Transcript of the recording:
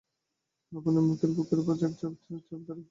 লাবণ্যর মুখ বুকের উপর একবার চেপে ধরে ফেরবার পথে খুব ধীরে ধীরে চলল।